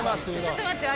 ちょっと待って！